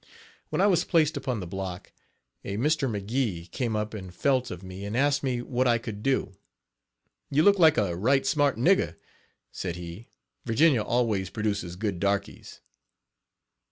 When I was placed upon the block, a Mr. McGee came up and felt of me and asked me what I could do. "You look like a right smart nigger," said he, "Virginia always produces good darkies."